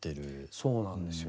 そうなんですよね。